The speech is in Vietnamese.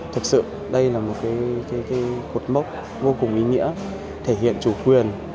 thực sự đây là một cột mốc vô cùng ý nghĩa thể hiện chủ quyền